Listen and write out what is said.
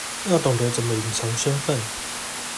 要懂得怎麼隱藏身份